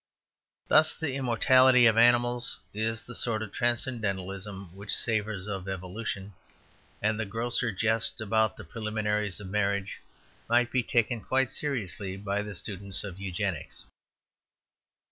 Thus the immortality of animals is the sort of transcendentalism which savours of evolution; and the grosser jest about the preliminaries of marriage might be taken quite seriously by the students of Eugenics.